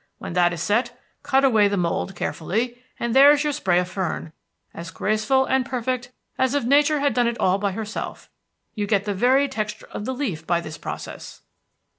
When that is set, cut away the mold carefully, and there's your spray of fern, as graceful and perfect as if nature had done it all by herself. You get the very texture of the leaf by this process."